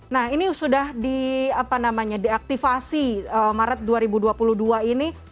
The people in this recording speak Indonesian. nah ini sudah diaktifasi maret dua ribu dua puluh dua ini